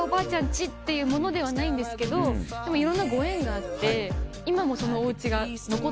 家っていうものではないんですけどでもいろんなご縁があって今もそのお家が残っていて。